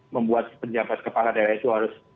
membuat penjabat kepala daerah itu harus